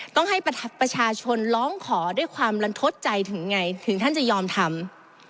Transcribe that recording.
ต้องให้ประชาชนร้องขอด้วยความรันทดใจถึงไงถึงท่านจะยอมทำ